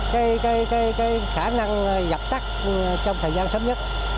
cái khả năng dập tắt trong thời gian sớm nhất